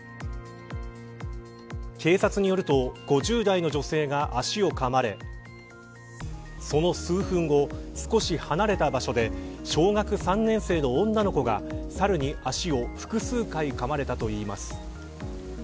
警察によると、５０代の女性が足をかまれその数分後、少し離れた場所で小学３年生の女の子がサルに足を複数回かまれたといいます。